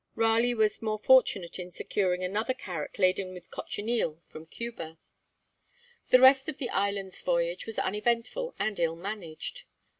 Raleigh was more fortunate in securing another carrack laden with cochineal from Cuba. The rest of the Islands Voyage was uneventful and ill managed.